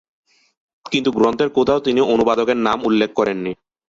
কিন্তু গ্রন্থের কোথাও তিনি অনুবাদকের নাম উল্লেখ করেননি।